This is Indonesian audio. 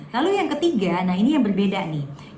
lalu yang ketiga nah ini yang berbeda nih